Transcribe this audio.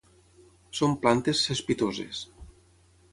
Són plantes cespitoses.